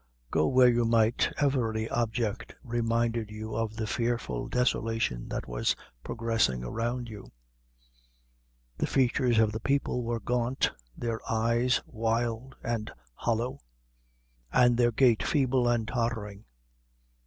Go where you might, every object reminded you of the fearful desolation that was progressing around you. The features of the people were gaunt, their eyes wild and hollow, and their gait feeble and tottering.